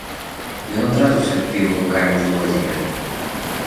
Ён адразу схапіў рукамі злодзея.